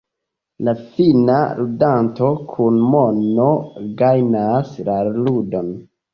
La fina ludanto kun mono gajnas la ludon.